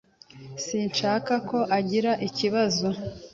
Sinshaka ko agira ibibazo.